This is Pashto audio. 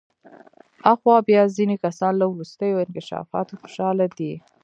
آخوا بیا ځینې کسان له وروستیو انکشافاتو خوشحاله دي.